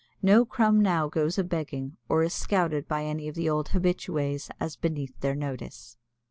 No crumb now goes a begging or is scouted by any of the old habitues as beneath their notice.